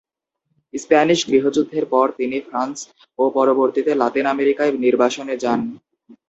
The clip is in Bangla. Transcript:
স্প্যানিশ গৃহযুদ্ধের পর তিনি ফ্রান্স ও পরবর্তীতে লাতিন আমেরিকায় নির্বাসনে যান।